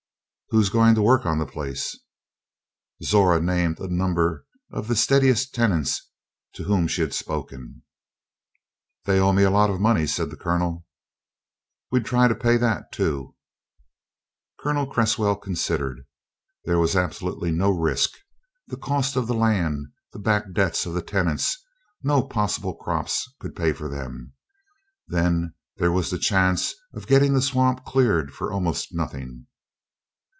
"Who's going to work on the place?" Zora named a number of the steadiest tenants to whom she had spoken. "They owe me a lot of money," said the Colonel. "We'd try to pay that, too." Colonel Cresswell considered. There was absolutely no risk. The cost of the land, the back debts of the tenants no possible crops could pay for them. Then there was the chance of getting the swamp cleared for almost nothing.